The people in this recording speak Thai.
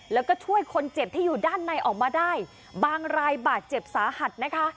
แล้วก็ช่วยคนเจ็บที่อยู่ด้านในออกมาได้บางรายบาดเจ็บสาหัสนะคะ